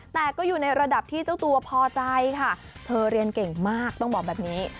แต่ก็อยู่ในระดับที่เจ้าตัวพอใจค่ะเธอเรียนเก่งมากต้องบอกแบบนี้